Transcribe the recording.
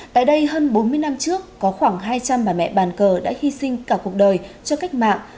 tại đây hơn bốn mươi năm trước có khoảng hai trăm linh bà mẹ bàn cờ đã hy sinh cả cuộc đời cho cách mạng